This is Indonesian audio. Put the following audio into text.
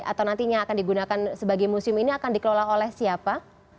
atau nantinya akan digunakan sebagai museum ini akan dikelola oleh siapa